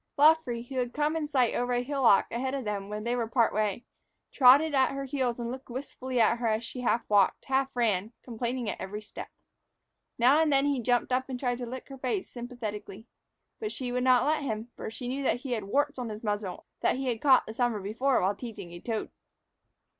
Luffree, who had come in sight over a hillock ahead of them when they were part way, trotted at her heels and looked up wistfully at her as she half walked, half ran, complaining at every step. Now and then he jumped up and tried to lick her face sympathetically. But she would not let him, for she knew he had warts on his muzzle that he had caught the summer before while teasing a toad.